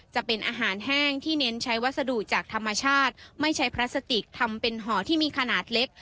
จะเป็นอาหารแห้งที่เน้นใช้วัสดุจากธรรมชาติไม่ใช้พลาสติกทำเป็นห่อที่มีขนาดเล็ก